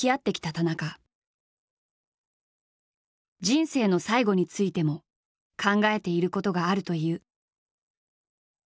人生の最期についても考えていることがあるという。